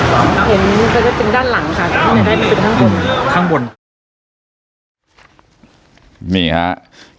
เห็นมันก็จึงด้านหลังครับไม่ได้ตรงข้างบน